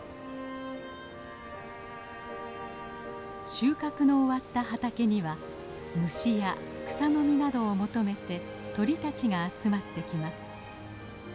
収穫の終わった畑には虫や草の実などを求めて鳥たちが集まってきます。